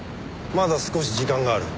まだ少し時間がある。